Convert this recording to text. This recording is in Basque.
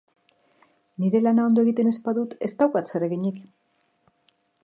Nire lana ondo egiten ez badut, ez daukat zereginik.